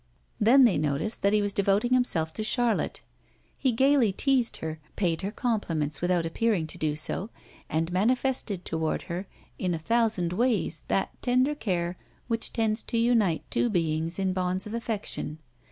Then they noticed that he was devoting himself to Charlotte; he gaily teased her, paid her compliments without appearing to do so, and manifested toward her in a thousand ways that tender care which tends to unite two beings in bonds of affection.